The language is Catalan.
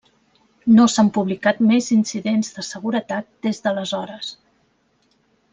No s'han publicat més incidents de seguretat des d'aleshores.